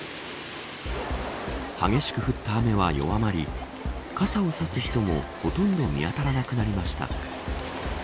激しく降った雨は弱まり傘を差す人もほとんど見当たらなくなりました。